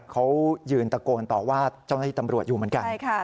เขายืนตะโกนต่อว่าเจ้าหน้าที่ตำรวจอยู่เหมือนกัน